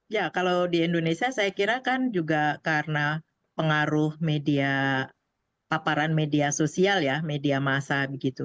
ya kalau di indonesia saya kira kan juga karena pengaruh media paparan media sosial ya media masa begitu